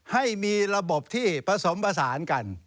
ให้มีระบบที่ผสมผสานกัน